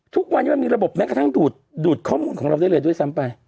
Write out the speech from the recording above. ทุกวันนี้มันมีระบบแม้กระทั่งดูดข้อมูลของเราได้เลยด้วยซ้ำไป